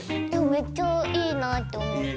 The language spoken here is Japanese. めっちゃいいなと思って。